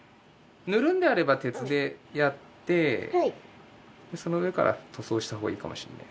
塗るのであれば鉄でやってその上から塗装したほうがいいかもしれないですね。